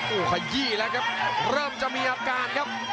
โอ้โหขยี้แล้วครับเริ่มจะมีอาการครับ